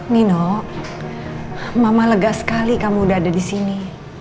nino mama lega sekali kamu udah ada disini